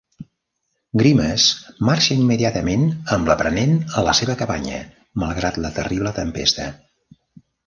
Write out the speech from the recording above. Grimes marxa immediatament amb l'aprenent a la seva cabanya, malgrat la terrible tempesta.